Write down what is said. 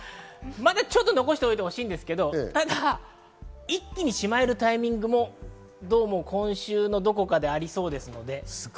まだ残してほしいんですけど、ただ一気にしまえるタイミングも、どうも今週のどこかでありそうです。